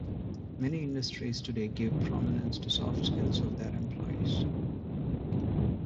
Many industries today give prominence to soft skills of their employees.